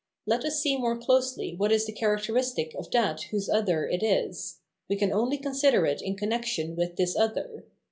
Let ns see more closely what is the characteristic of that whose other it is ; we can only consider it in connection with this other.